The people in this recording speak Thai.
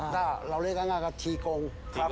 ถ้าเราเรียกง่ายก็ชีกง